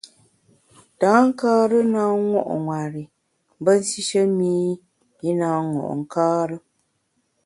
Tankare na ṅo’ nwer i mbe nsishe mi i na ṅo’ nkare.